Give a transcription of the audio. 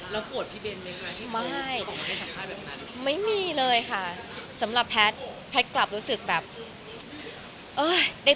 แล้วปวดพี่เบนไหมคะที่พวกมันไม่สัมภาษณ์แบบนั้น